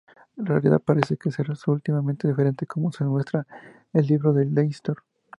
La realidad parece para ser sutilmente diferente como se muestra el "Libro de Leinster.